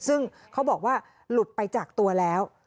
ซึ่งเขาบอกว่าหลุดไปจากตัวแล้ว